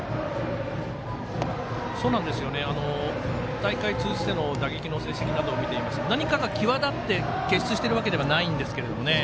大会通じての打撃成績を見てみますと何かが際立って傑出しているわけではないんですけどね。